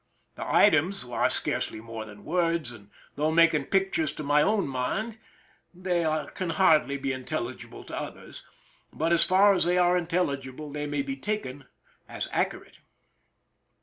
The items are scarcely more than words, and though making pictures to my own mind, they 264 PEISON LIFE THE SIEGE can hardly be intelligible to others, but as far as they are intelligible they may be taken as accurate.